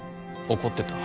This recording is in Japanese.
怒ってた？